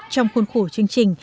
trong khuôn khổ chương trình